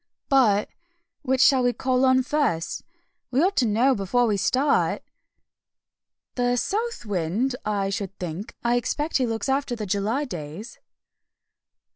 "But which shall we call on first? We ought to know before we start." "The South Wind, I should think; I expect he looks after the July days."